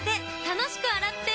楽しく洗っ手！